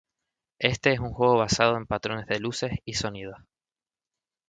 Éste es un juego basado en patrones de luces y sonidos.